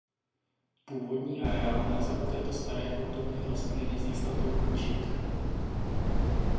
Původní areál nelze u této staré kulturní rostliny s jistotou určit.